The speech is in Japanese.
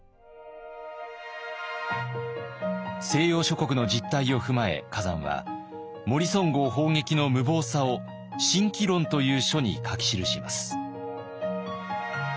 西洋諸国の実態を踏まえ崋山はモリソン号砲撃の無謀さを「慎機論」という書に書き記します。